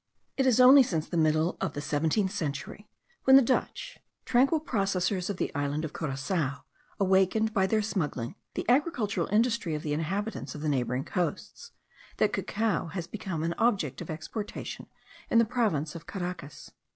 It is only since the middle of the seventeenth century, when the Dutch, tranquil possessors of the island of Curacoa, awakened, by their smuggling, the agricultural industry of the inhabitants of the neighbouring coasts, that cacao has become an object of exportation in the province of Caracas.